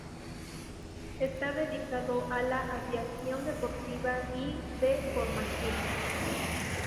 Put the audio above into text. Está dedicado a la aviación deportiva y de formación.